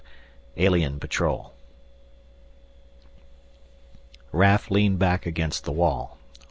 12 ALIEN PATROL Raf leaned back against the wall.